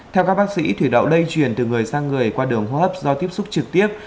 theo các bác sĩ thủy đậu lây truyền từ người sang người qua đường hô hấp do tiếp xúc trực tiếp